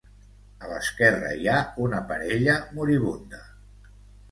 A l'esquerra hi ha una parella moribunda.